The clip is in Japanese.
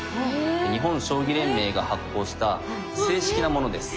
日本将棋連盟が発行した正式なものです。